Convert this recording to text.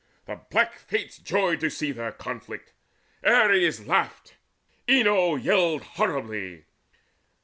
The black Fates joyed to see Their conflict, Ares laughed, Enyo yelled Horribly.